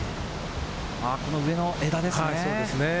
この上の枝ですね。